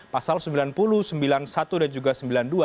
pasal sembilan puluh sembilan puluh satu dan juga sembilan puluh dua